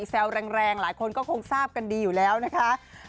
แซวแรงหลายคนก็คงทราบกันดีอยู่แล้วนะคะ